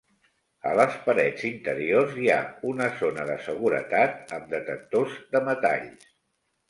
A les parets interiors hi ha una zona de seguretat amb detectors de metalls.